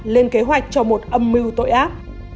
lên kế hoạch cho một âm mưu tội ác